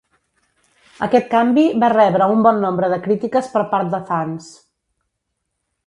Aquest canvi va rebre un bon nombre de crítiques per part de fans.